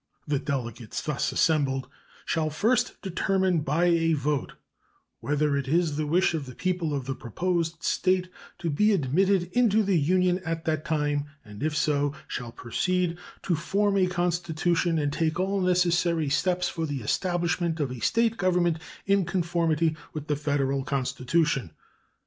The delegates thus assembled "shall first determine by a vote whether it is the wish of the people of the proposed State to be admitted into the Union at that time, and, if so, shall proceed to form a constitution and take all necessary steps for the establishment of a State government in conformity with the Federal Constitution."